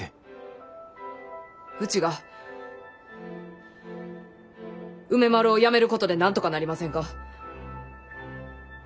ウチが梅丸をやめることでなんとかなりませんか。